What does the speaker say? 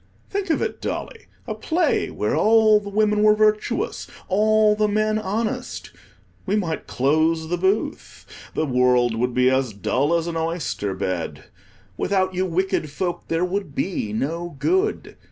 Think of it, Dolly, a play where all the women were virtuous, all the men honest! We might close the booth; the world would be as dull as an oyster bed. Without you wicked folk there would be no good.